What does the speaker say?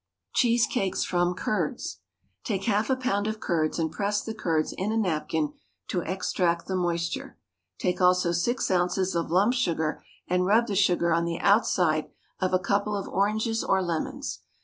CHEESE CAKES FROM CURDS. Take half a pound of curds and press the curds in a napkin to extract the moisture. Take also six ounces of lump sugar, and rub the sugar on the outside of a couple of oranges or lemons.